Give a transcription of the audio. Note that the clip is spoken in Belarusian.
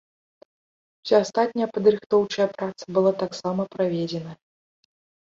Уся астатняя падрыхтоўчая праца была таксама праведзеная.